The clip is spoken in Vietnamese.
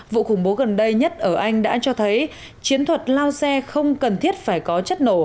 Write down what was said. vụ khủng bố gần đây nhất ở anh đã cho thấy chiến thuật lao xe không cần thiết phải có chất nổ